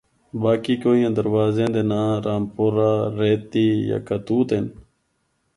باقی کوئیاں دروازے دے ناں رامپورہ، ریتی، یکہ توت ہن۔